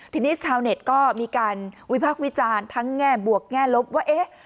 ทีนี้ชาวเน็ตก็มีการวิพากษ์วิจารณ์ทั้งแง่บวกแง่ลบว่าเอ๊ะ